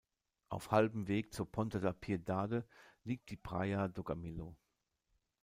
Auf halbem Weg zur Ponta da Piedade liegt die "Praia do Camilo".